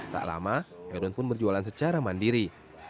tak lama herun pun berjualan secara mandiri